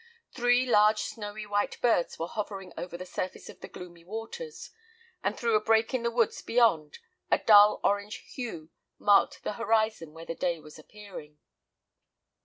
Three large snowy white birds were hovering over the surface of the gloomy waters; and through a break in the woods beyond, a dull orange hue marked the horizon where the day was appearing.